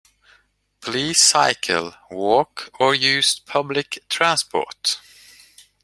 Please cycle, walk, or use public transport